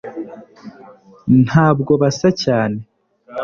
ntabwo basa cyane